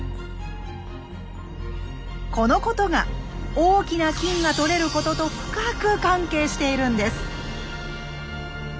このことが大きな金が採れることと深く関係しているんです。